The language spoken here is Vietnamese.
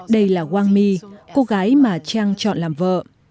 đây là wang mi cô gái mà trang chọn làm vợ